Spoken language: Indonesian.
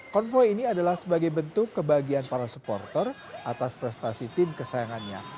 konvoy ini adalah sebagai bentuk kebahagiaan para supporter atas prestasi tim kesayangannya